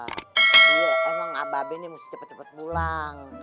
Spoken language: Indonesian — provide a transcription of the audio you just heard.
iya emang aba be nih mesti cepet cepet pulang